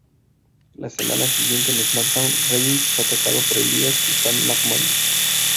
La semana siguiente en SmackDown, Reigns fue atacado por Elias y Shane McMahon.